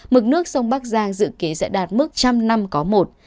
mực nước sông bắc giang dự kế sẽ đạt mức trăm năm có một